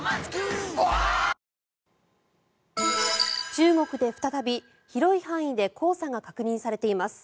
中国で再び広い範囲で黄砂が確認されています。